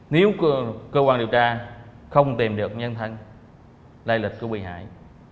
nếu cơ quan điều tra không tìm được nhân thân lai lịch của bị hại